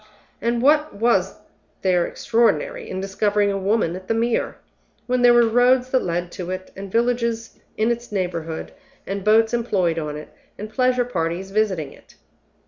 and what was there extraordinary in discovering a woman at the Mere, when there were roads that led to it, and villages in its neighborhood, and boats employed on it, and pleasure parties visiting it?